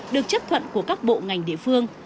được chấp thuận của các bộ ngành địa phương